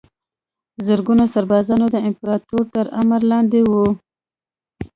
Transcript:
زرګونه سربازان د امپراتوریو تر امر لاندې وو.